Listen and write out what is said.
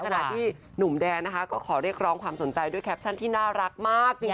ขณะที่หนุ่มแดนนะคะก็ขอเรียกร้องความสนใจด้วยแคปชั่นที่น่ารักมากจริง